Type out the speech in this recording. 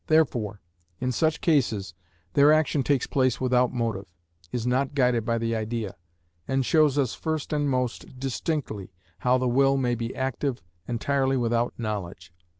Therefore in such cases their action takes place without motive, is not guided by the idea, and shows us first and most distinctly how the will may be active entirely without knowledge.